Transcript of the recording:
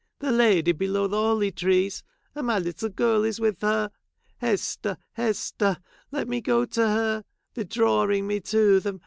the lady below the holly trees ; and my little girl is Avith her. Hester ! Hester ! let me go to her ; they are drawing me to them.